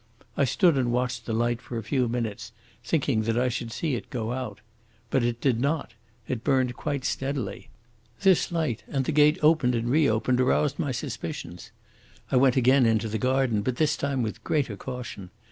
I stood and watched the light for a few minutes, thinking that I should see it suddenly go out. But it did not: it burned quite steadily. This light and the gate opened and reopened aroused my suspicions. I went again into the garden, but this time with greater caution.